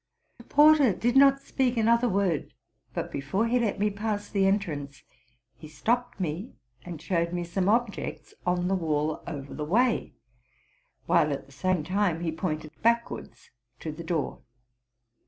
The porter did not speak another word; but, before he let me pass the en trance, he stopped me, and showed me some objects on the RELATING TO MY LIFE. 53 wall over the way, while, at the same time, he pointed back wards to the door.